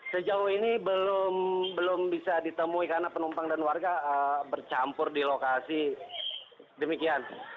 sejauh ini belum bisa ditemui karena penumpang dan warga bercampur di lokasi demikian